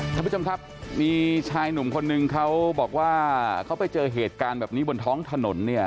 ท่านผู้ชมครับมีชายหนุ่มคนนึงเขาบอกว่าเขาไปเจอเหตุการณ์แบบนี้บนท้องถนนเนี่ย